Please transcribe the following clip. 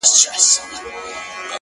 • پر وجود څه ډول حالت وو اروا څه ډول وه؛